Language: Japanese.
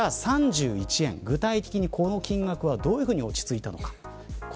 ３１円、具体的にこの金額はどう落ち着いたのか。